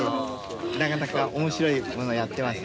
なかなか面白いものやってますね。